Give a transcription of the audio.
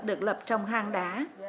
được lập trong hang đá